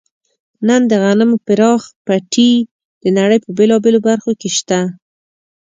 نن د غنمو پراخ پټي د نړۍ په بېلابېلو برخو کې شته.